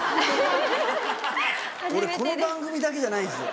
俺この番組だけじゃないです